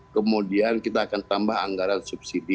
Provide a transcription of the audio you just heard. kemudian kita akan tambah anggaran subsidi